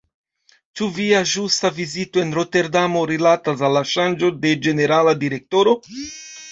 Ĉu via ĵusa vizito en Roterdamo rilatas al la ŝanĝo de ĝenerala direktoro?